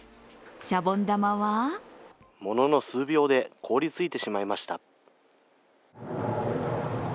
シャボン玉はものの数秒で凍りついてしまいました。